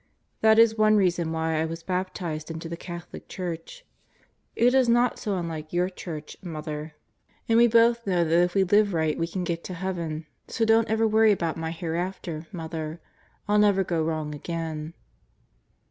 That is one reason why I was baptized into the Catholic Church. It is not so unlike your Church, Mother. 49 50 God Goes to Murderers Roto And we both know that if we live right, we can get to heaven. So don't ever worry about my hereafter, Mother. I'll never go wrong again.